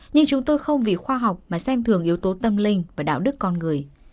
nhưng chúng tôi không vì khoa học mà xem thường yếu tố tâm linh và đạo đức con người